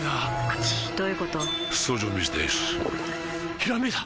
ひらめいた！